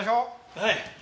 はい。